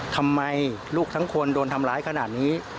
ทำไมลูกทั้งคนโดนทำร้ายขนาดนี้